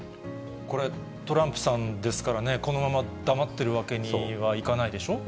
これ、トランプさんですからね、このまま黙っているわけにはいかないでしょ？